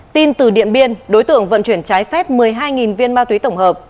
tin từ điện biên đối tượng vận chuyển trái phép một mươi hai viên ma túy tổng hợp